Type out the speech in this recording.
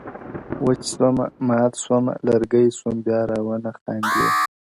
وچ سومه!! مات سومه!! لرگی سوم بيا راونه خاندې!!